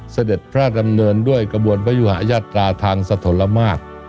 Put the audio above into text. เสด็จพระดำเนินด้วยกระบวนพระยุหายาตราทางสะทนละมาตร